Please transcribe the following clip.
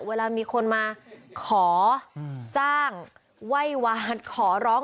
เวลามีคนมาขอจ้างไหว้วานขอร้อง